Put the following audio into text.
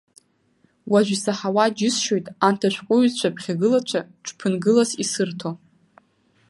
Уажә исаҳауа џьысшьоит анҭ ашәҟәыҩҩцәа ԥхьагылацәа ҽԥынгылас исырҭо.